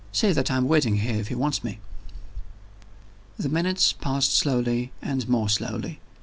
Say that I am waiting here, if he wants me." The minutes passed slowly and more slowly.